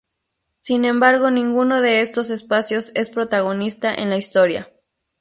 Sin embargo ninguno de estos espacios es protagonista en la historia.